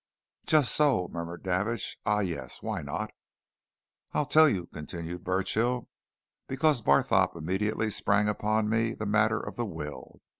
"Just so!" murmured Davidge. "Ah, yes, why not?" "I'll tell you," continued Burchill. "Because Barthorpe immediately sprang upon me the matter of the will.